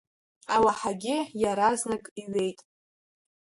Алаҳагьы иаразнак иҩеит.